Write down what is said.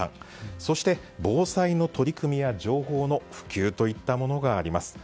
そして防災の取り組みや情報の普及といったものがあります。